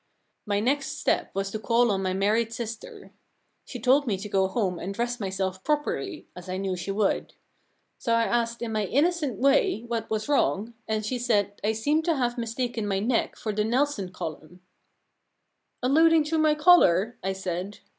My next step was to call on my married sister. She told me to go home and dress myself properly, as I knew she would. So I asked in my innocent way what was wrong, and she said I seemed to have mistaken my neck for the Nelson Column. 15 The Problem Club *" Alluding to my collar ? I said.